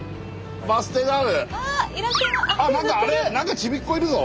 何かあれちびっ子いるぞ。